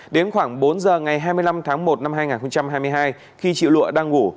đến khoảng bốn giờ ngày hai mươi năm tháng một năm hai nghìn hai mươi hai khi chị lụa đang ngủ